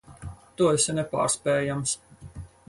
Tu esi nepārspējams.